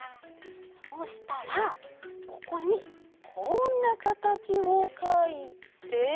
そうしたらここにこんなかたちをかいて。